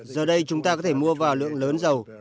giờ đây chúng ta có thể mua vào lượng lớn dầu